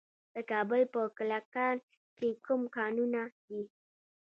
د کابل په کلکان کې کوم کانونه دي؟